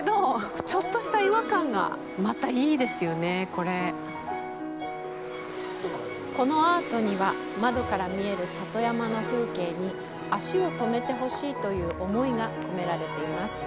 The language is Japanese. この景色と、このアートが、なんかこのアートには、窓から見える里山の風景に、足を止めてほしいという想いが込められています。